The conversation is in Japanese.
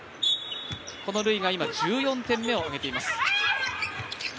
ルイが、１４点目を挙げています。